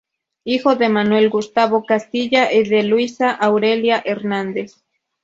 Hijo de Manuel Gustavo Castilla y de Luisa Aurelia Hernández.